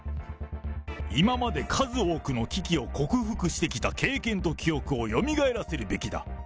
今まで数多くの危機を克服してきた経験と記憶をよみがえらせるべきだ。